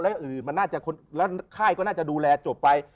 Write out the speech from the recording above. และอื่นค่ายก็น่าจะดูแลจบไป